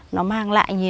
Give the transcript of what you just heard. nó mang lại nhiều